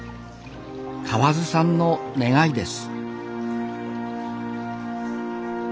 河津さんの願いです